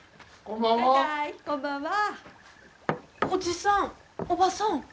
おじさんおばさん。